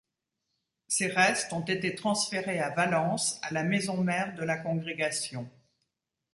Ses restes ont été transférés à Valence, à la maison mère de la Congrégation.